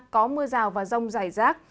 có mưa rào và rông dài rác